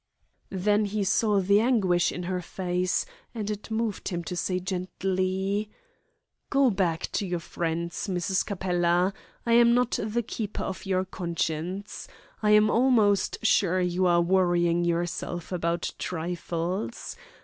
Then he saw the anguish in her face, and it moved him to say gently: "Go back to your friends, Mrs. Capella. I am not the keeper of your conscience. I am almost sure you are worrying yourself about trifles.